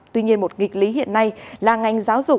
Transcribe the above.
tuy nhiên một nghịch lý hiện nay là ngành giáo dục